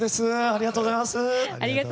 ありがとうございます！